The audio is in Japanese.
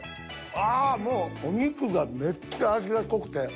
ああもうお肉がめっちゃ味が濃くて。